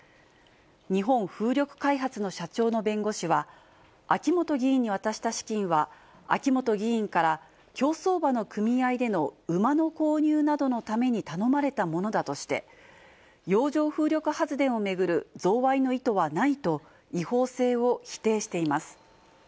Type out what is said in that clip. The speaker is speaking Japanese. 日本風力開発の社長の弁護士は、秋本議員に渡した資金は、秋本議員から競走馬の組合での馬の購入などのために頼まれたものだとして、洋上風力発電を巡る贈賄の意図はないと、違法性を否定しています。